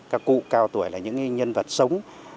các cụ cao tuổi là những nhân vật sống